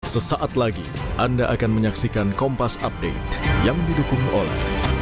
sesaat lagi anda akan menyaksikan kompas update yang didukung oleh